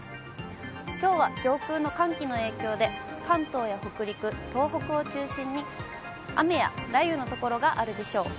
きょうは上空の寒気の影響で、関東や北陸、東北を中心に雨や雷雨の所があるでしょう。